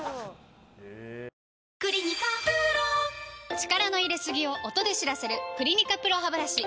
力の入れすぎを音で知らせる「クリニカＰＲＯハブラシ」